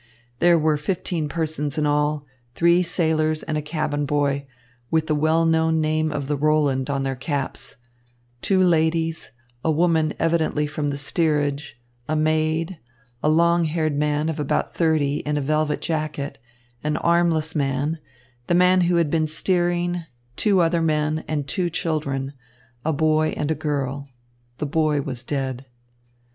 There were fifteen persons in all, three sailors and a cabin boy, with the well known name of the Roland on their caps, two ladies, a woman evidently from the steerage, a maid, a long haired man of about thirty in a velvet jacket, an armless man, the man who had been steering, two other men, and two children, a boy and a girl. The boy was dead.